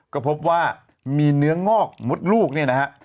ก็พบว่ามีเนื้องอกมดลูกเนี่ยนะฮะ